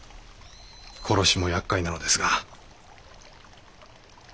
殺しもやっかいなのですが。